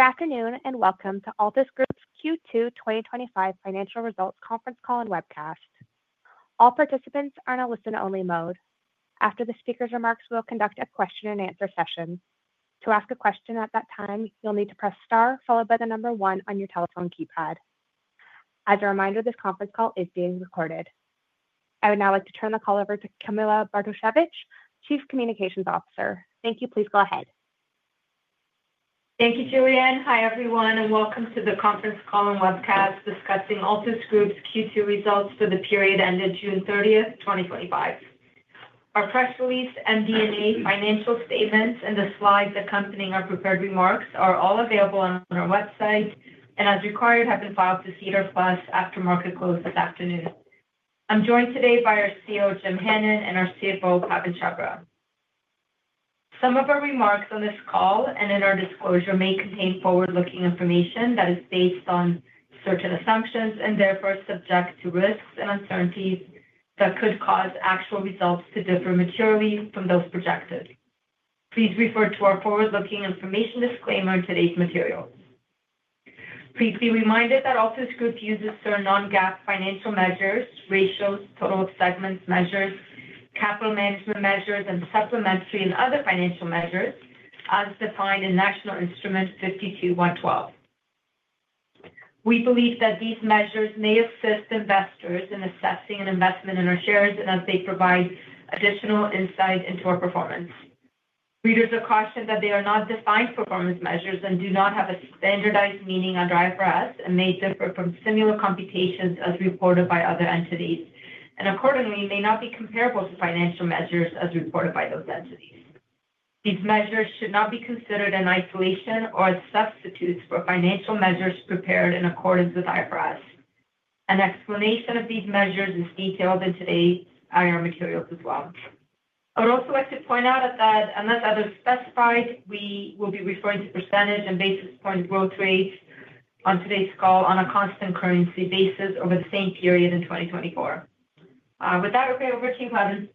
Good afternoon and welcome to Altus Group's Q2 2025 Financial Results Conference Call and Webcast. All participants are in a listen-only mode. After the speaker's remarks, we'll conduct a question-and-answer session. To ask a question at that time, you'll need to press star followed by the number one on your telephone keypad. As a reminder, this conference call is being recorded. I would now like to turn the call over to Camilla Bartosiewicz, Chief Communications Officer. Thank you. Please go ahead. Thank you, Julie. Hi, everyone, and welcome to the Conference Call and Webcast discussing Altus Group's Q2 results for the period ending June 30, 2025. Our press release, MD&A, financial statements, and the slides accompanying our prepared remarks are all available on our website and, as required, have been filed to SEDAR+ after market close this afternoon. I'm joined today by our CEO, Jim Hannon, and our CFO, Pawan Chhabra. Some of our remarks on this call and in our disclosure may contain forward-looking information that is based on certain assumptions and therefore subject to risks and uncertainties that could cause actual results to differ materially from those projected. Please refer to our forward-looking information disclaimer in today's material. Please be reminded that Altus Group uses certain non-GAAP financial measures, ratio, total segment measures, capital management measures, and supplementary and other financial measures as defined in National Instrument 52-112. We believe that these measures may assist investors in assessing an investment in our shares as they provide additional insight into our performance. Readers are cautioned that they are not defined performance measures and do not have a standardized meaning under IFRS and may differ from similar computations as reported by other entities and accordingly may not be comparable to financial measures as reported by those entities. These measures should not be considered in isolation or as substitutes for financial measures prepared in accordance with IFRS. An explanation of these measures is detailed in today's IR materials as well. I would also like to point out that unless otherwise specified, we will be referring to % and basis point growth rates on today's call on a constant currency basis over the same period in 2024. With that, I'll turn it over to you, Pawan.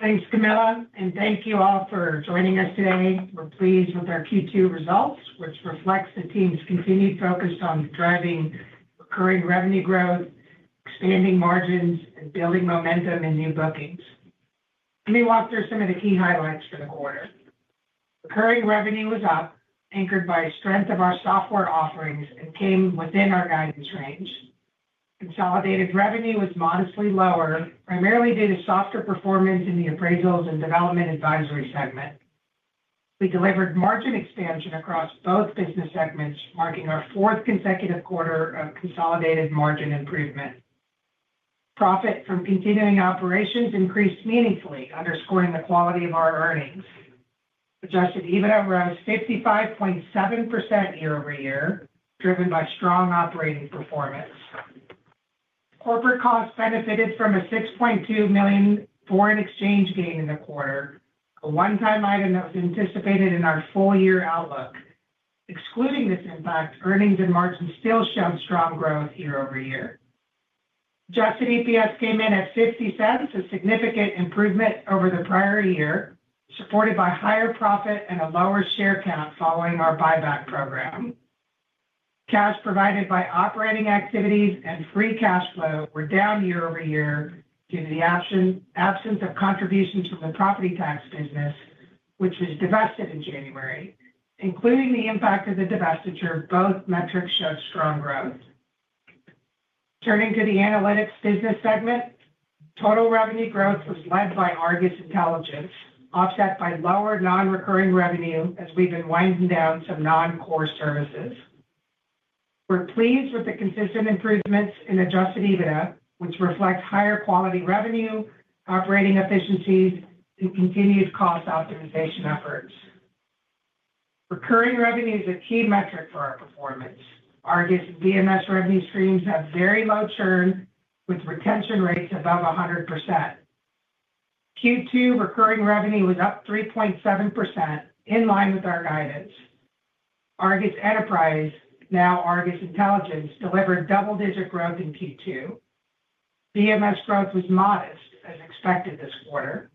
Thanks, Camilla, and thank you all for joining us today. We're pleased with our Q2 results, which reflects the team's continued focus on driving recurring revenue growth, expanding margins, and building momentum in new bookings. Let me walk through some of the key highlights for the quarter. Recurring revenue was up, anchored by the strength of our software offerings and came within our guidance range. Consolidated revenue was modestly lower, primarily due to softer performance in the Appraisals and Development Advisory segment. We delivered margin expansion across both business segments, marking our fourth consecutive quarter of consolidated margin improvement. Profit from continuing operations increased meaningfully, underscoring the quality of our earnings. Adjusted EBITDA rose 55.7% year-over-year, driven by strong operating performance. Corporate costs benefited from a $6.2 million foreign exchange gain in the quarter, a one-time high anticipated in our full-year outlook. Excluding this impact, earnings and margins still showed strong growth year-over-year. Adjusted EPS came in at $0.50, a significant improvement over the prior year, supported by higher profit and a lower share count following our buyback program. Cash provided by operating activities and free cash flow were down year-over-year due to the absence of contributions from the property tax business, which was divested in January. Including the impact of the divestiture, both metrics show strong growth. Turning to the Analytics business segment, total revenue growth was led by Argus Intelligence, offset by lower non-recurring revenue as we've been winding down some non-core services. We're pleased with the consistent improvements in adjusted EBITDA, which reflects higher quality revenue, operating efficiencies, and continued cost optimization efforts. Recurring revenue is a key metric for our performance. Argus VMS revenue streams have very low churn, with retention rates above 100%. Q2 recurring revenue was up 3.7%, in line with our guidance. Argus Enterprise, now Argus Intelligence, delivered double-digit growth in Q2. VMS growth was modest, as expected this quarter.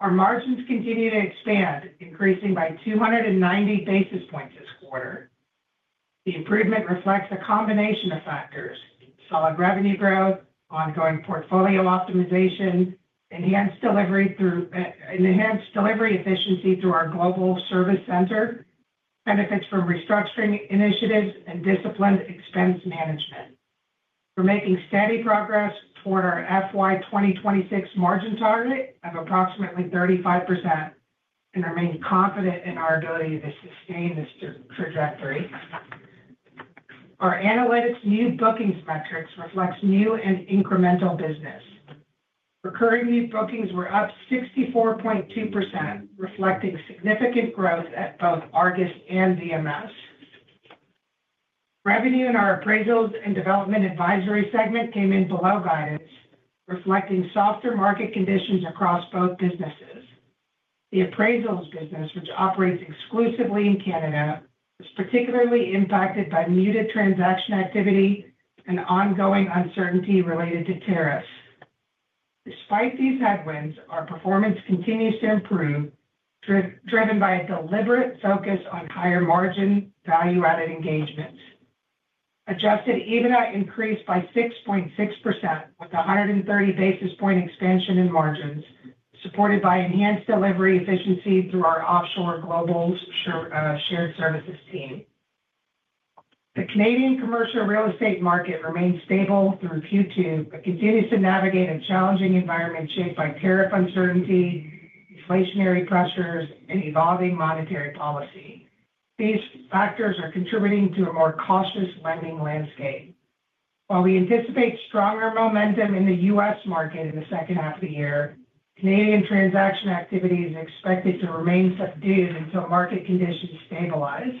Our margins continue to expand, increasing by 290 basis points this quarter. The improvement reflects a combination of factors: solid revenue growth, ongoing portfolio optimization, enhanced delivery efficiency through our global service center, benefits from restructuring initiatives, and disciplined expense management. We're making steady progress toward our FY 2026 margin target of approximately 35%, and I remain confident in our ability to sustain this trajectory. Our analytics new bookings metrics reflect new and incremental business. Recurring new bookings were up 64.2%, reflecting significant growth at both Argus and VMS. Revenue in our Appraisals and Development Advisory segment came in below guidance, reflecting softer market conditions across both businesses. The appraisals business, which operates exclusively in Canada, is particularly impacted by muted transaction activity and ongoing uncertainty related to tariffs. Despite these headwinds, our performance continues to improve, driven by a deliberate focus on higher margin value-added engagements. Adjusted EBITDA increased by 6.6% with 130 basis point expansion in margins, supported by enhanced delivery efficiency through our offshore global shared services team. The Canadian commercial real estate market remains stable through Q2, but continues to navigate a challenging environment shaped by tariff uncertainty, inflationary pressures, and evolving monetary policy. These factors are contributing to a more cautious lending landscape. While we anticipate stronger momentum in the U.S. market in the second half of the year, Canadian transaction activity is expected to remain subdued until market conditions stabilize.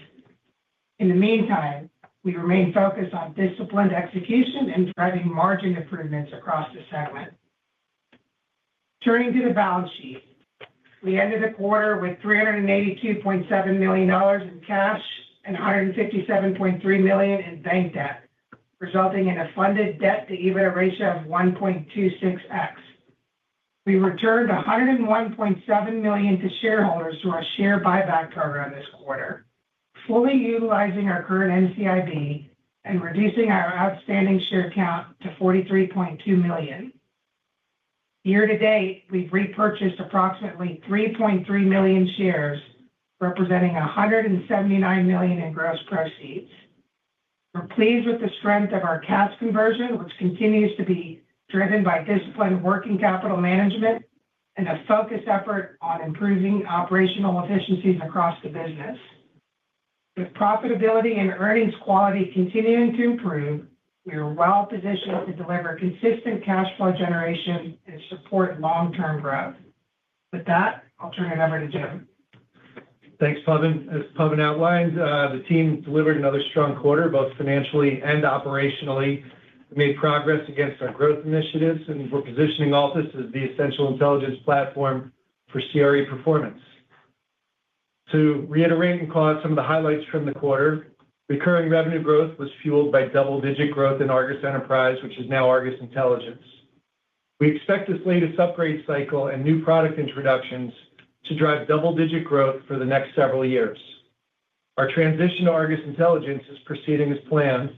In the meantime, we remain focused on disciplined execution and revenue margin improvements across the segment. Turning to the balance sheet, we ended the quarter with $382.7 million in cash and $157.3 million in bank debt, resulting in a funded debt-to-EBITDA ratio of 1.26X. We returned $101.7 million to shareholders through our share buyback program this quarter, fully utilizing our current NCIB and reducing our outstanding share count to 43.2 million. Year to date, we've repurchased approximately 3.3 million shares, representing $179 million in gross proceeds. We're pleased with the strength of our cash conversion, which continues to be driven by disciplined working capital management and a focused effort on improving operational efficiencies across the business. With profitability and earnings quality continuing to improve, we are well-positioned to deliver consistent cash flow generation and support long-term growth. With that, I'll turn it over to Jim. Thanks, Pawan. As Pawan outlined, the team delivered another strong quarter, both financially and operationally. We made progress against our growth initiatives, and we're positioning Altus as the essential intelligence platform for CRE performance. To reiterate and call out some of the highlights from the quarter, recurring revenue growth was fueled by double-digit growth in Argus Enterprise, which is now Argus Intelligence. We expect this latest upgrade cycle and new product introductions to drive double-digit growth for the next several years. Our transition to Argus Intelligence is proceeding as planned,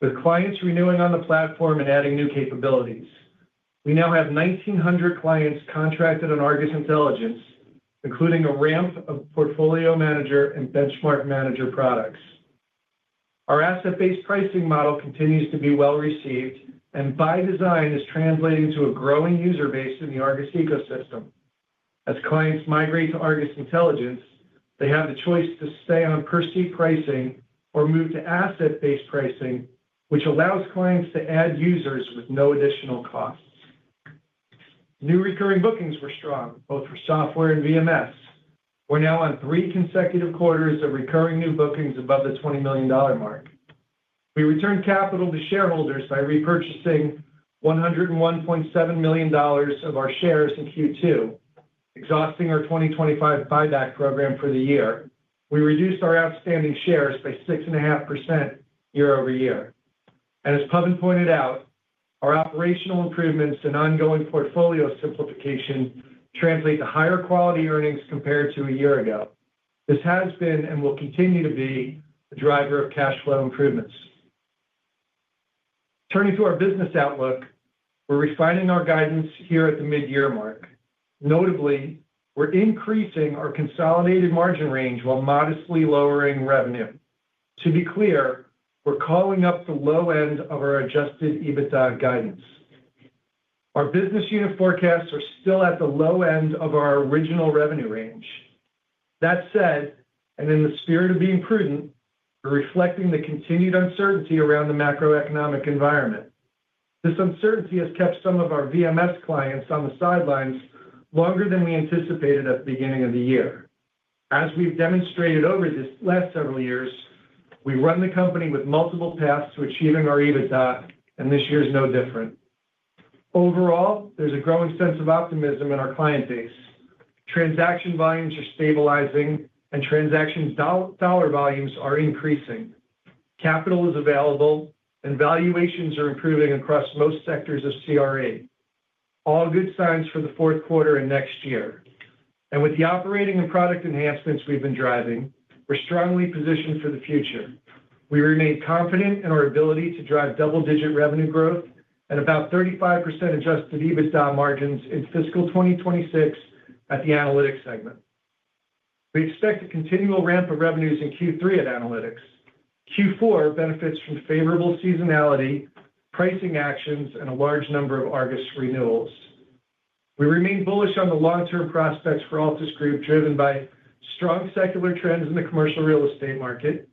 with clients renewing on the platform and adding new capabilities. We now have 1,900 clients contracted on Argus Intelligence, including a ramp of Portfolio Manager and Benchmark Manager products. Our asset-based pricing model continues to be well-received, and by design is translating to a growing user base in the Argus ecosystem. As clients migrate to Argus Intelligence, they have the choice to stay on perceived pricing or move to asset-based pricing, which allows clients to add users with no additional costs. New recurring bookings were strong, both for software and VMS. We're now on three consecutive quarters of recurring new bookings above the $20 million mark. We returned capital to shareholders by repurchasing $101.7 million of our shares in Q2, exhausting our 2025 buyback program for the year. We reduced our outstanding shares by 6.5% year-over-year. As Pawan pointed out, our operational improvements and ongoing portfolio simplification translate to higher quality earnings compared to a year ago. This has been and will continue to be a driver of cash flow improvements. Turning to our business outlook, we're refining our guidance here at the mid-year mark. Notably, we're increasing our consolidated margin range while modestly lowering revenue. To be clear, we're calling up the low end of our adjusted EBITDA guidance. Our business unit forecasts are still at the low end of our original revenue range. That said, in the spirit of being prudent, we're reflecting the continued uncertainty around the macroeconomic environment. This uncertainty has kept some of our VMS clients on the sidelines longer than we anticipated at the beginning of the year. As we've demonstrated over these last several years, we run the company with multiple paths to achieving our EBITDA, and this year is no different. Overall, there's a growing sense of optimism in our client base. Transaction volumes are stabilizing, and transaction dollar volumes are increasing. Capital is available, and valuations are improving across most sectors of CRE. All good signs for the fourth quarter and next year. With the operating and product enhancements we've been driving, we're strongly positioned for the future. We remain confident in our ability to drive double-digit revenue growth and about 35% adjusted EBITDA margins in fiscal 2026 at the analytics segment. We expect a continual ramp of revenues in Q3 at analytics. Q4 benefits from favorable seasonality, pricing actions, and a large number of Argus renewals. We remain bullish on the long-term prospects for Altus Group, driven by strong secular trends in the commercial real estate market,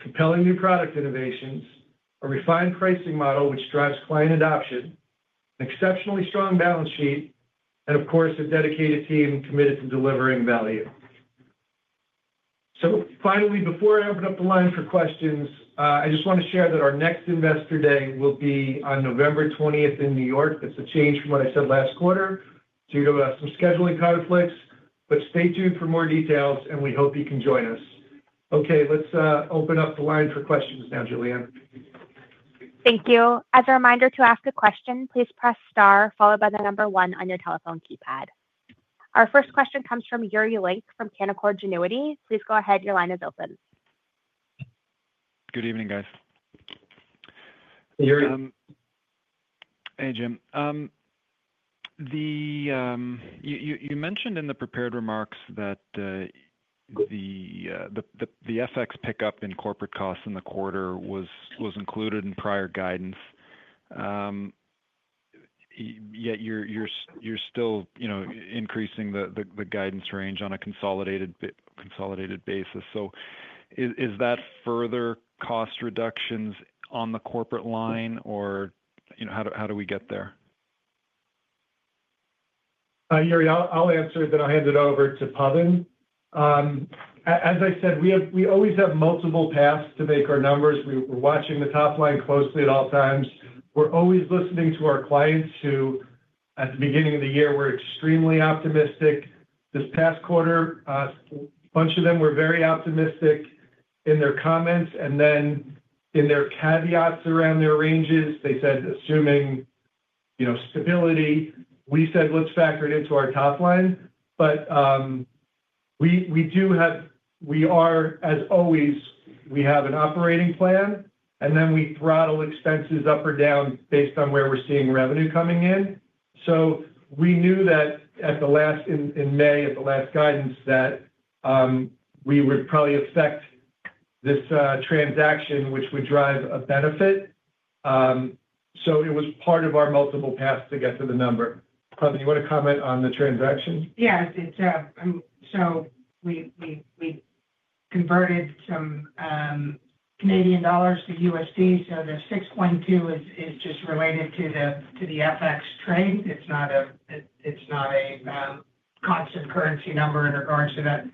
compelling new product innovations, a refined pricing model which drives client adoption, an exceptionally strong balance sheet, and of course, a dedicated team committed to delivering value. Finally, before I open up the line for questions, I just want to share that our next Investor Day will be on November 20th in New York. That's a change from what I said last quarter due to some scheduling conflicts. Stay tuned for more details, and we hope you can join us. Okay, let's open up the line for questions now, Julie. Thank you. As a reminder, to ask a question, please press star followed by the number one on your telephone keypad. Our first question comes from Yuri Lynk from Canaccord Genuity. Please go ahead. Your line is open. Good evening, guys. Hey, Jim. You mentioned in the prepared remarks that the FX pickup in corporate costs in the quarter was included in prior guidance. Yet you're still increasing the guidance range on a consolidated basis. Is that further cost reductions on the corporate line, or how do we get there? Yuri, I'll answer, then I'll hand it over to Pawan. As I said, we always have multiple paths to make our numbers. We're watching the top line closely at all times. We're always listening to our clients who, at the beginning of the year, were extremely optimistic. This past quarter, a bunch of them were very optimistic in their comments, and then in their caveats around their ranges, they said, assuming, you know, stability, we said, let's factor it into our top line. We do have, we are, as always, we have an operating plan, and then we throttle expenses up or down based on where we're seeing revenue coming in. We knew that at the last in May, at the last guidance, that we would probably affect this transaction, which would drive a benefit. It was part of our multiple paths to get to the number. Pawan, you want to comment on the transaction? Yes, it does. We converted some Canadian dollars to USD. The $6.2 million is just related to the FX trade. It's not a constant currency number in regards to that.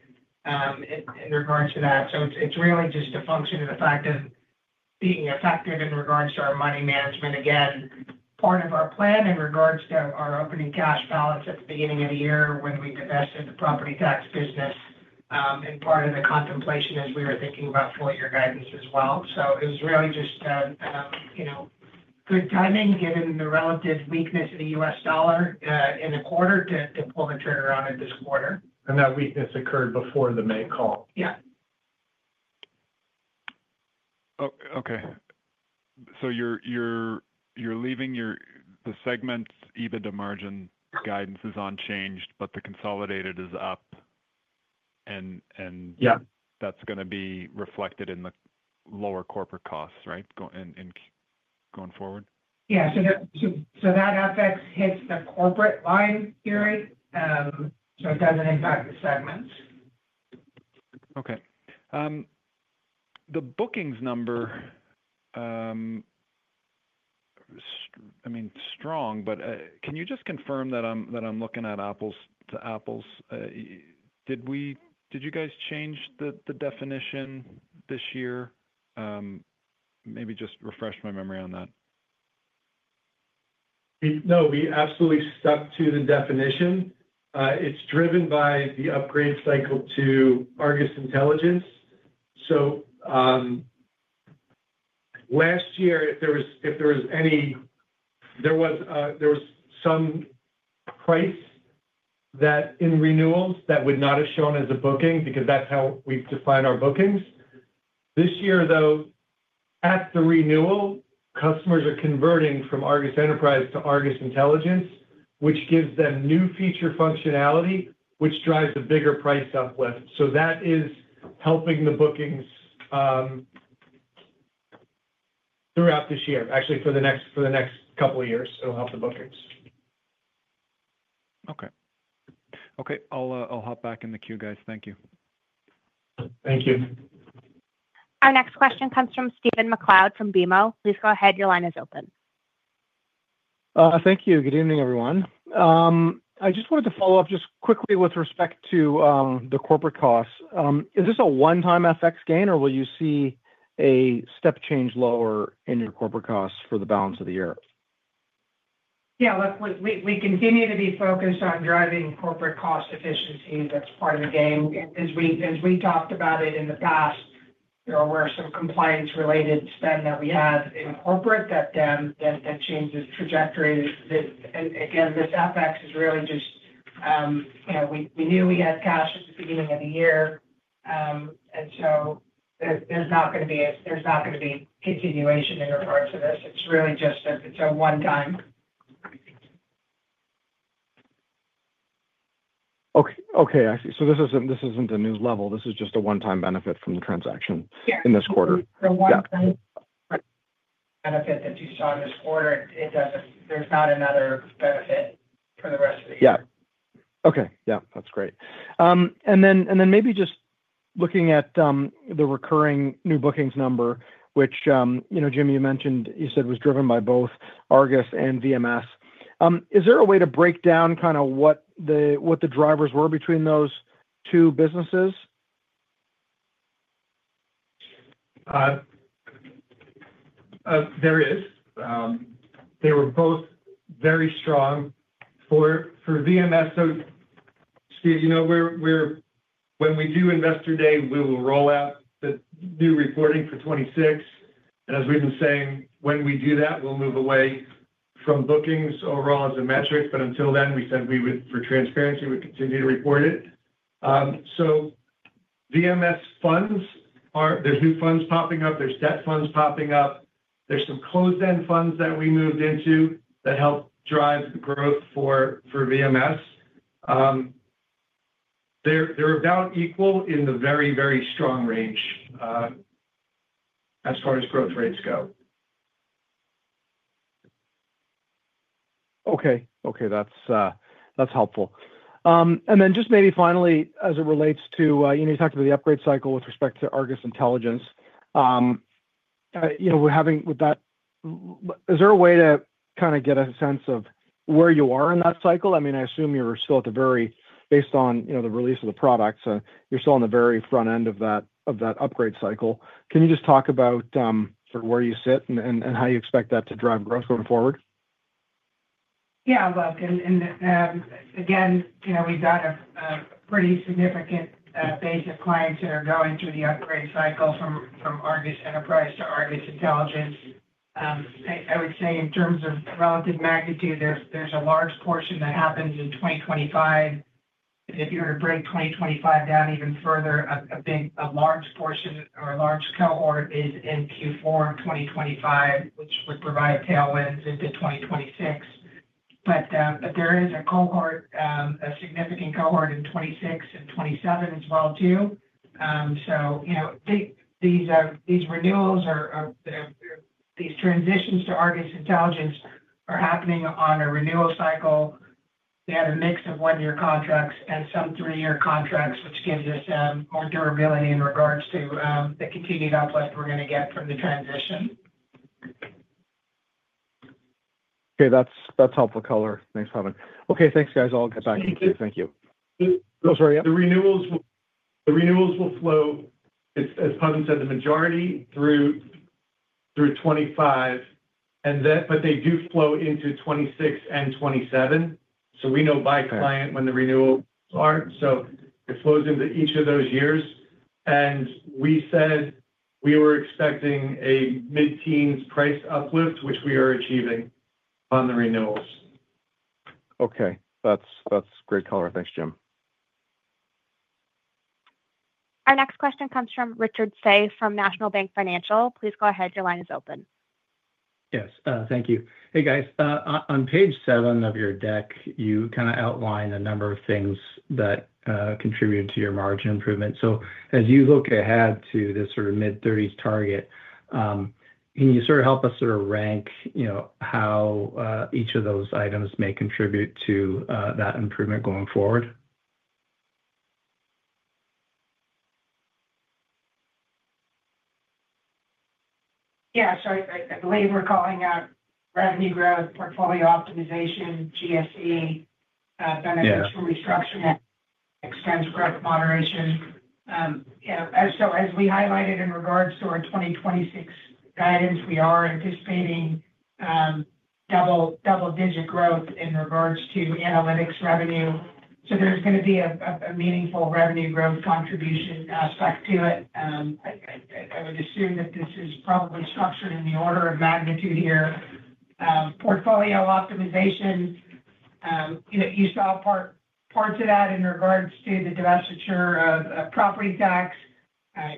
It's really just a function and effect of being effective in regards to our money management. Again, part of our plan in regards to our opening cash balance at the beginning of the year when we divested the property tax business, and part of the contemplation as we were thinking about four-year guidance as well. It was really just, you know, good timing given the relative weakness of the US dollar in the quarter to pull the trigger out of this quarter. That weakness occurred before the May call. Yes. You're leaving the segments, even the margin guidance is unchanged, but the consolidated is up. That's going to be reflected in the lower corporate costs, right, going forward? Yeah, so that FX hits the corporate line theory, so it doesn't impact the segments. Okay. The bookings number, I mean, strong, but can you just confirm that I'm looking at apples to apples? Did you guys change the definition this year? Maybe just refresh my memory on that. No, we absolutely stuck to the definition. It's driven by the upgrade cycle to Argus Intelligence. Last year, if there was any, there was some price that in renewals that would not have shown as a booking because that's how we define our bookings. This year, though, at the renewal, customers are converting from Argus Enterprise to Argus Intelligence, which gives them new feature functionality, which drives a bigger price uplift. That is helping the bookings throughout this year. Actually, for the next couple of years, it'll help the bookings. Okay. I'll hop back in the queue, guys. Thank you. Thank you. Our next question comes from Stephen MacLeod from BMO. Please go ahead. Your line is open. Thank you. Good evening, everyone. I just wanted to follow up just quickly with respect to the corporate costs. Is this a one-time foreign exchange gain, or will you see a step change lower in your corporate costs for the balance of the year? Yeah, look, we continue to be focused on driving corporate cost efficiency. That's part of the gain. As we talked about in the past, you know, we had some compliance-related spend that we had in corporate that then changed its trajectory. This FX is really just, you know, we knew we had cash at the beginning of the year. There's not going to be a continuation in regards to this. It's really just a one-time. Okay. I see. This isn't a new level. This is just a one-time benefit from the transaction in this quarter. The one-time benefit that you saw this quarter, it doesn't, there's not another benefit for the rest of the year. Yeah. Okay. That's great. Maybe just looking at the recurring new bookings number, which, you know, Jim, you mentioned you said was driven by both Argus and VMS. Is there a way to break down kind of what the drivers were between those two businesses? They were both very strong for VMS. Steve, when we do Investor Day, we will roll out the new reporting for 2026. As we've been saying, when we do that, we'll move away from bookings overall as a metric. Until then, we said we would, for transparency, continue to report it. VMS funds are, there's new funds popping up. There's debt funds popping up. There's some closed-end funds that we moved into that help drive the growth for VMS. They're about equal in the very, very strong range as far as growth rates go. Okay. That's helpful. Just maybe finally, as it relates to, you know, you talked about the upgrade cycle with respect to Argus Intelligence. You know, we're having with that, is there a way to kind of get a sense of where you are in that cycle? I mean, I assume you were still at the very, based on, you know, the release of the product. You're still on the very front end of that upgrade cycle. Can you just talk about sort of where you sit and how you expect that to drive growth going forward? Yeah, look, we've got a pretty significant base of clients that are going through the upgrade cycle from Argus Enterprise to Argus Intelligence. I would say in terms of relative magnitude, there's a large portion that happens in 2025. If you were to break 2025 down even further, a large portion or a large cohort is in Q4 in 2025, which would provide tailwinds into 2026. There is a significant cohort in 2026 and 2027 as well, too. These renewals or these transitions to Argus Intelligence are happening on a renewal cycle. We have a mix of one-year contracts and some three-year contracts, which gives us more durability in regards to the continued uplift we're going to get from the transition. Okay, that's helpful color. Thanks, Pawan. Okay, thanks, guys. I'll get back to you, too. Thank you. Sorry. The renewals will flow, as Pawan said, the majority through 2025. They do flow into 2026 and 2027. We know by client when the renewals are, so it flows into each of those years. We said we were expecting a mid-teens price uplift, which we are achieving on the renewals. Okay, that's great color. Thanks, Jim. Our next question comes from Richard Tse from National Bank Financial. Please go ahead. Your line is open. Yes. Thank you. Hey, guys. On page seven of your deck, you outline a number of things that contribute to your margin improvement. As you look ahead to this mid-30s target, can you help us rank how each of those items may contribute to that improvement going forward? Yeah. I believe we're calling out revenue growth, portfolio optimization, GSE, benefits from restructuring, expense growth moderation. As we highlighted in regards to our 2026 guidance, we are anticipating double-digit growth in regards to analytics revenue. There's going to be a meaningful revenue growth contribution aspect to it. I would assume that this is probably structured in the order of magnitude here. Portfolio optimization, you saw parts of that in regards to the divestiture of property tax.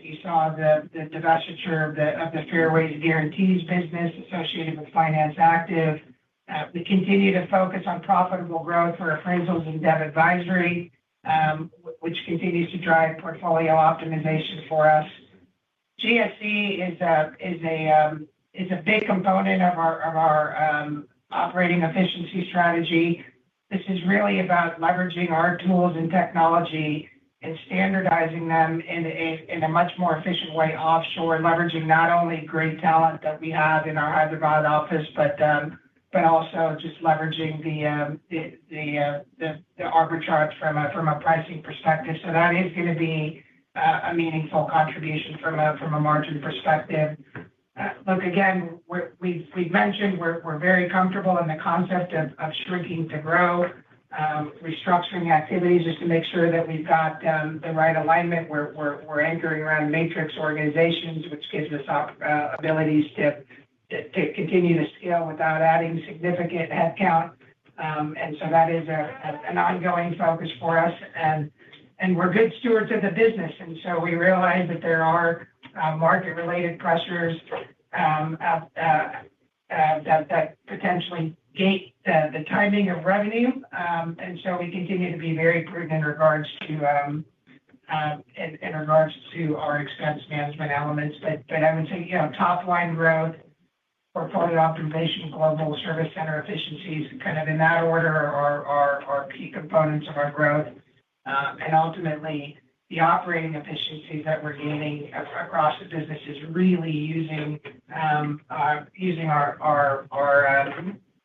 You saw the divestiture of the fairways guarantees business associated with finance active. We continue to focus on profitable growth for Appraisals and Development Advisory, which continues to drive portfolio optimization for us. GSE is a big component of our operating efficiency strategy. This is really about leveraging our tools and technology and standardizing them in a much more efficient way offshore, leveraging not only great talent that we have in our Hyderabad office, but also just leveraging the arbitrage from a pricing perspective. That is going to be a meaningful contribution from a margin perspective. Look, again, we've mentioned we're very comfortable in the concept of streaking to grow, restructuring activities just to make sure that we've got the right alignment. We're anchored around matrix organizations, which gives us opportunities to continue to scale without adding significant headcount. That is an ongoing focus for us. We're good stewards of the business. We realize that there are market-related pressures that potentially gate the timing of revenue. We continue to be very prudent in regards to our expense management elements. I would say, you know, top-line growth, portfolio optimization, global service center efficiencies, kind of in that order, are key components of our growth. Ultimately, the operating efficiencies that we're gaining across the businesses are really using our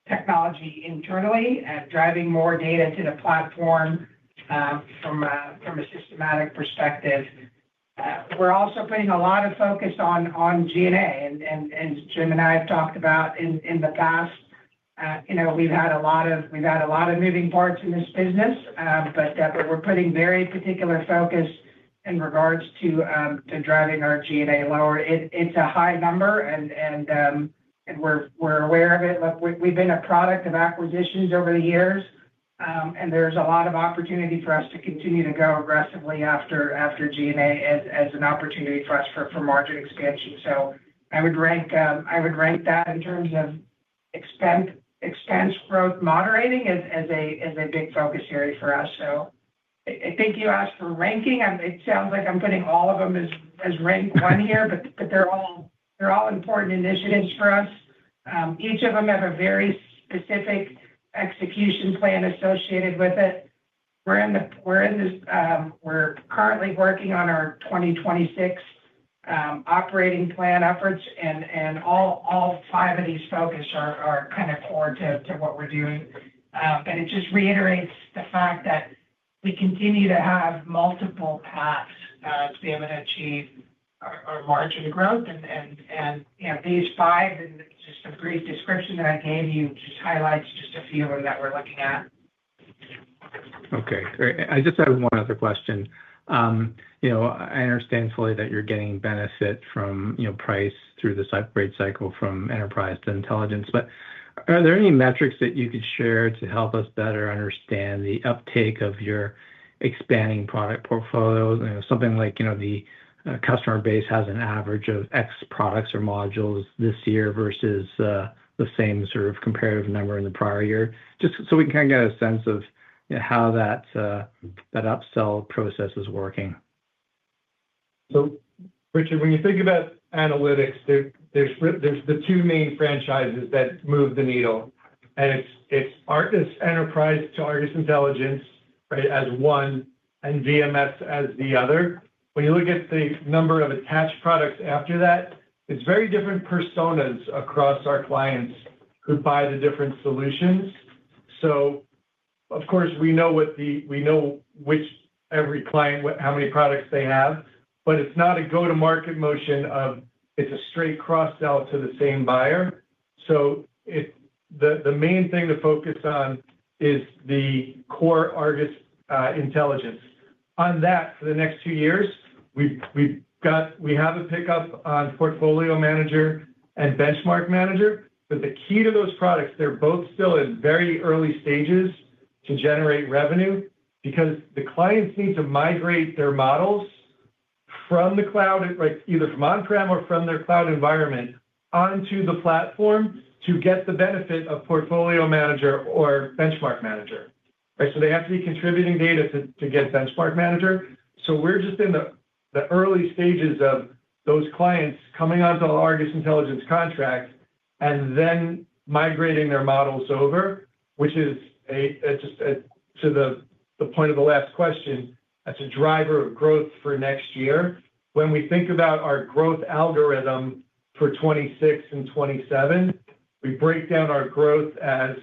technology internally and driving more data to the platform from a systematic perspective. We're also putting a lot of focus on GNA. Jim and I have talked about in the past, you know, we've had a lot of moving parts in this business, but we're putting very particular focus in regards to driving our GNA lower. It's a high number, and we're aware of it. We've been a product of acquisitions over the years, and there's a lot of opportunity for us to continue to go aggressively after G&A as an opportunity for us for margin expansion. I would rank that in terms of expense growth moderating as a big focus area for us. I think you asked for ranking. It sounds like I'm putting all of them as ranked one here, but they're all important initiatives for us. Each of them have a very specific execution plan associated with it. We're currently working on our 2026 operating plan efforts, and all five of these focus are kind of core to what we're doing. It just reiterates the fact that we continue to have multiple paths to be able to achieve our margin growth. These five in the brief description that I gave you highlights just a few of them that we're looking at. Okay. I just have one other question. I understand fully that you're getting benefit from price through this upgrade cycle from Argus Enterprise to Argus Intelligence. Are there any metrics that you could share to help us better understand the uptake of your expanding product portfolios? Something like the customer base has an average of X products or modules this year versus the same sort of comparative number in the prior year, just so we can kind of get a sense of how that upsell process is working. Richard, when you think about analytics, there's the two main franchises that move the needle, and it's Argus Enterprise to Argus Intelligence, right, as one, and VMS as the other. When you look at the number of attached products after that, it's very different personas across our clients who buy the different solutions. Of course, we know which every client, how many products they have, but it's not a go-to-market motion of it's a straight cross-sell to the same buyer. The main thing to focus on is the core Argus Intelligence. On that, for the next two years, we have a pickup on portfolio manager and Benchmark Manager. The key to those products, they're both still in very early stages to generate revenue because the clients need to migrate their models from the cloud, like either from on-prem or from their cloud environment, onto the platform to get the benefit of portfolio manager or Benchmark Manager. They have to be contributing data to get Benchmark Manager. We're just in the early stages of those clients coming onto the Argus Intelligence contract and then migrating their models over, which is, to the point of the last question, a driver of growth for next year. When we think about our growth algorithm for 2026 and 2027, we break down our growth as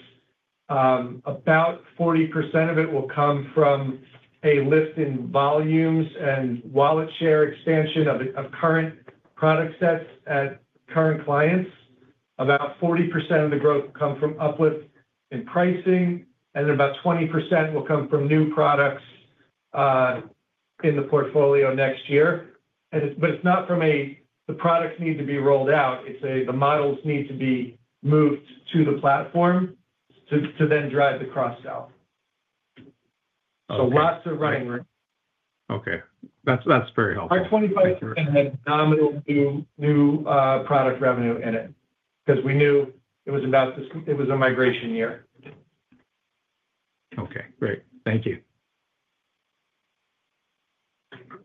about 40% of it will come from a lift in volumes and wallet share expansion of current product sets at current clients. About 40% of the growth will come from uplift in pricing, and about 20% will come from new products in the portfolio next year. It's not from a the products need to be rolled out. The models need to be moved to the platform to then drive the cross-sell. Lots of running room. Okay, that's very helpful. Our 2025 had a nominal new product revenue in it because we knew it was enough. It was a migration year. Okay, great. Thank you.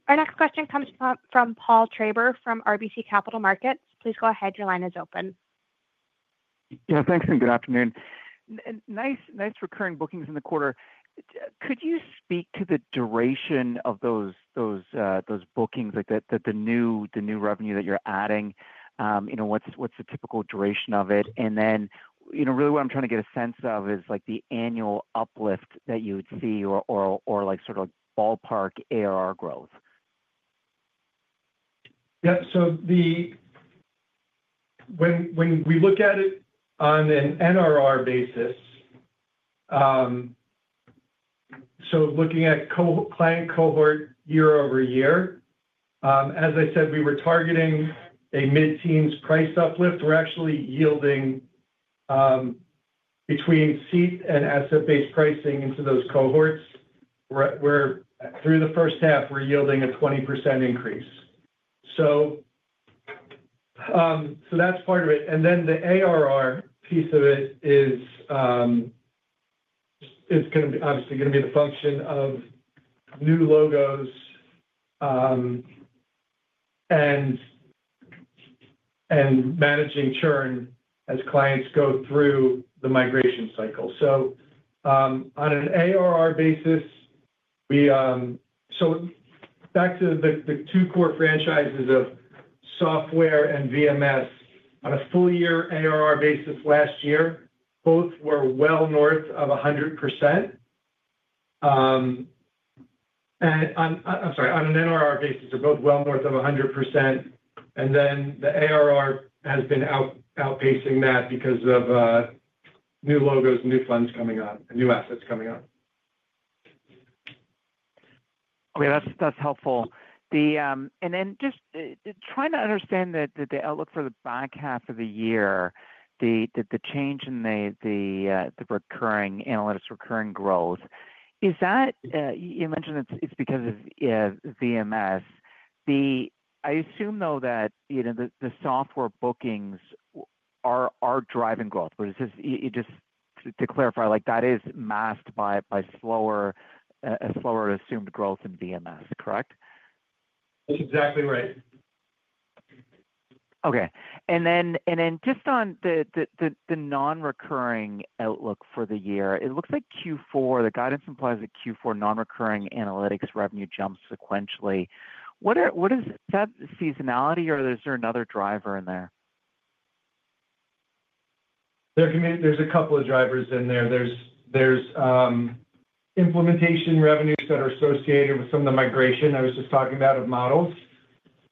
Our next question comes from Paul Treiber from RBC Capital Markets. Please go ahead. Your line is open. Yeah. Thanks, and good afternoon. Nice recurring bookings in the quarter. Could you speak to the duration of those bookings, like the new revenue that you're adding? You know, what's the typical duration of it? You know, really what I'm trying to get a sense of is like the annual uplift that you would see or like sort of ballpark ARR growth. Yeah. When we look at it on an NRR basis, so looking at client cohort year over year, as I said, we were targeting a mid-teens price uplift. We're actually yielding between seat and asset-based pricing into those cohorts. Through the first half, we're yielding a 20% increase. That's part of it. The ARR piece of it is obviously going to be the function of new logos and managing churn as clients go through the migration cycle. On an ARR basis, back to the two core franchises of software and VMS, on a full-year ARR basis last year, both were well north of 100%. I'm sorry, on an NRR basis, they're both well north of 100%. The ARR has been outpacing that because of new logos and new funds coming on and new assets coming on. Okay. That's helpful. Just trying to understand the outlook for the back half of the year, the change in the recurring analytics, recurring growth, is that you mentioned it's because of VMS. I assume, though, that you know the software bookings are driving growth. It's just to clarify, like that is masked by a slower assumed growth in VMS, correct? That's exactly right. Okay. Just on the non-recurring outlook for the year, it looks like Q4, the guidance implies that Q4 non-recurring analytics revenue jumps sequentially. Is that seasonality, or is there another driver in there? are a couple of drivers in there. There are implementation revenues that are associated with some of the migration I was just talking about of models.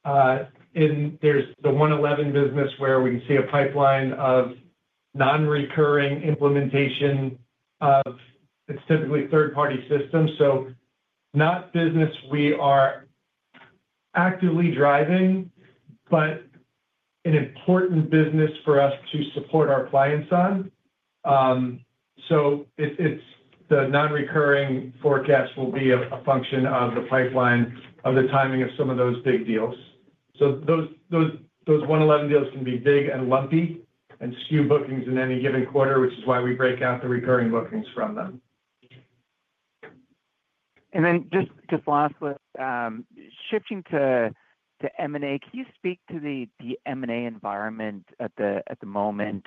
There is the 111 business where we can see a pipeline of non-recurring implementation of, it's typically third-party systems. Not business we are actively driving, but an important business for us to support our clients on. The non-recurring forecast will be a function of the pipeline of the timing of some of those big deals. Those 111 deals can be big and lumpy and skew bookings in any given quarter, which is why we break out the recurring bookings from them. Lastly, shifting to M&A, can you speak to the M&A environment at the moment?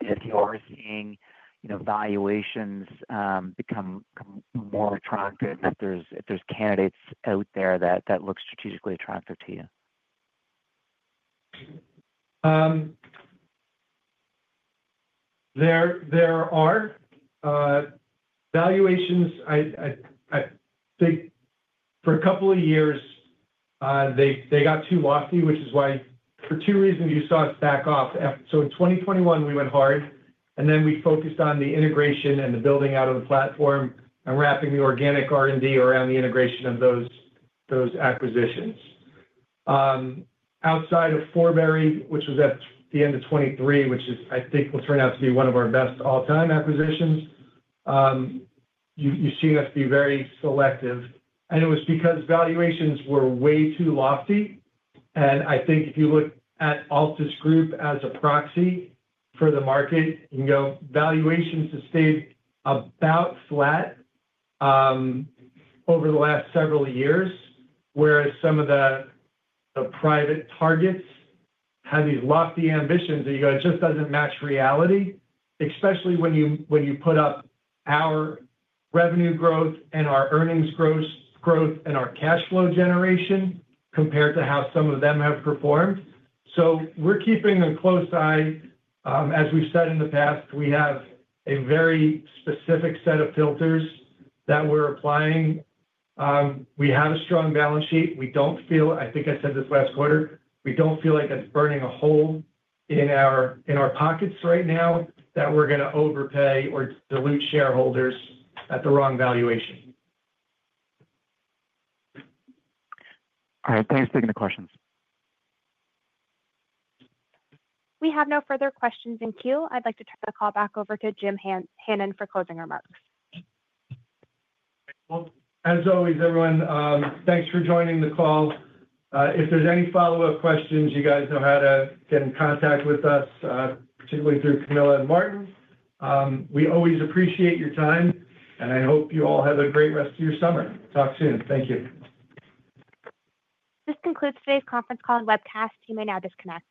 If you are seeing valuations become more attractive, if there's candidates out there that look strategically attractive to you? There are valuations. I think for a couple of years, they got too lofty, which is why for two reasons you saw us back off. In 2021, we went hard, and then we focused on the integration and the building out of the platform and wrapping the organic R&D around the integration of those acquisitions. Outside of Forbury, which was at the end of 2023, which I think will turn out to be one of our best all-time acquisitions, you've seen us be very selective. It was because valuations were way too lofty. I think if you look at Altus Group as a proxy for the market, you can go valuations have stayed about flat over the last several years, whereas some of the private targets had these lofty ambitions. It just doesn't match reality, especially when you put up our revenue growth and our earnings growth and our cash flow generation compared to how some of them have performed. We're keeping a close eye. As we've said in the past, we have a very specific set of filters that we're applying. We have a strong balance sheet. We don't feel, I think I said this last quarter, we don't feel like it's burning a hole in our pockets right now that we're going to overpay or dilute shareholders at the wrong valuation. All right. Thanks for taking the questions. We have no further questions in queue. I'd like to turn the call back over to Jim Hannon for closing remarks. As always, everyone, thanks for joining the call. If there's any follow-up questions, you guys know how to get in contact with us, particularly through Camilla and Martin. We always appreciate your time, and I hope you all have a great rest of your summer. Talk soon. Thank you. This concludes today's conference call and webcast. You may now disconnect.